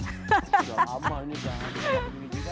sudah lama ini selamat tidur nidji